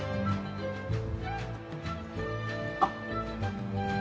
あっ！